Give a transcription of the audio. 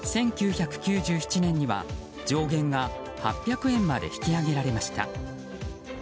１９９７年には、上限が８００円まで引き上げられました。